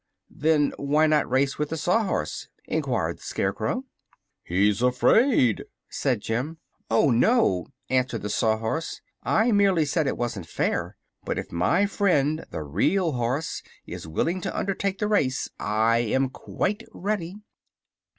"Then why not race with the Sawhorse?" enquired the Scarecrow. "He's afraid," said Jim. "Oh, no," answered the Sawhorse. "I merely said it wasn't fair. But if my friend the Real Horse is willing to undertake the race I am quite ready."